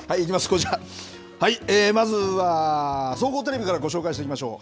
こちら、まずは総合テレビからご紹介していきましょう。